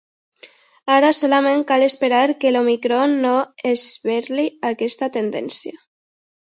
Ara solament cal esperar que l’òmicron no esberli aquesta tendència.